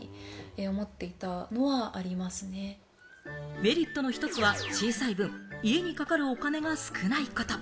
メリットの一つが小さい分、家にかかるお金が少ないこと。